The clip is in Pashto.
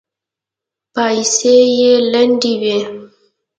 پايڅې يې لندې وې.